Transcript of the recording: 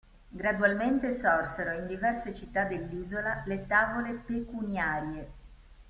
Gradualmente sorsero in diverse città dell'isola le Tavole Pecuniarie.